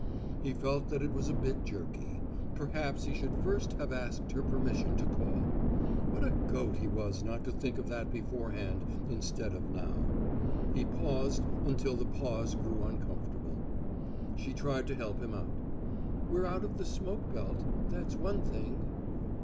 He felt that it was a bit jerky. Perhaps he should first have asked her permission to call. What a goat he was not to think of that beforehand instead of now. He paused until the pause grew uncomfortable. She tried to help him out, "We're out of the smoke belt, that's one thing."